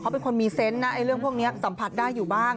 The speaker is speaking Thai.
เขาเป็นคนมีเซนต์นะเรื่องพวกนี้สัมผัสได้อยู่บ้าง